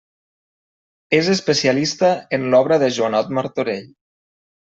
És especialista en l'obra de Joanot Martorell.